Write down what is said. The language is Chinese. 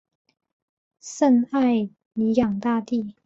圣艾尼昂大地。